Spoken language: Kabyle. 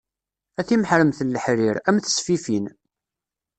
A timeḥremt n leḥrir, a m tesfifin.